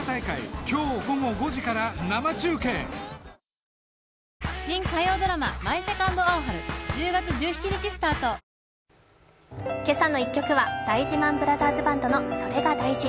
「クラフトボス」「けさの１曲」は大事ＭＡＮブラザーズバンドの「それが大事」。